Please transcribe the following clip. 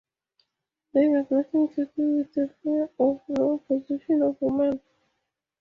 They have nothing to do with the higher or lower position of women.